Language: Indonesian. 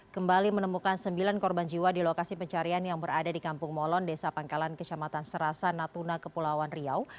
kembali menemukan sembilan korban jiwa di lokasi pencarian yang berada di kampung molon desa pangkalan kecamatan serasa natuna kepulauan riau